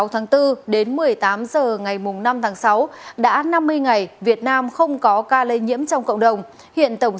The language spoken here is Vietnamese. hai mươi tháng bốn đến một mươi tám h ngày năm tháng sáu đã năm mươi ngày việt nam không có ca lây nhiễm trong cộng đồng hiện tổng